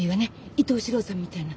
伊東四朗さんみたいな。